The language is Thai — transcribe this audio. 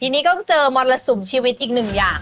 ทีนี้ต้องเจอมอดระสุนชีวิตอีกหนึ่งอย่าง